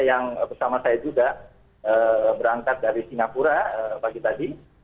yang bersama saya juga berangkat dari singapura pagi tadi